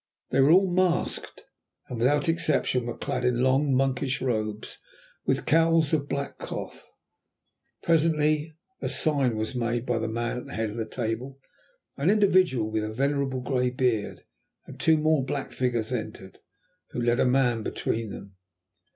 They were all masked, and without exception were clad in long monkish robes with cowls of black cloth. Presently a sign was made by the man at the head of the table, an individual with a venerable grey beard, and two more black figures entered, who led a man between them.